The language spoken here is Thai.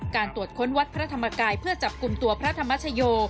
การตรวจค้นวัดพระธรรมกายเพื่อจับกลุ่มตัวพระธรรมชโย